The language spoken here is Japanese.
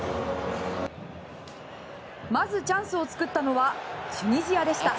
まずチャンスを作ったのはチュニジアでした。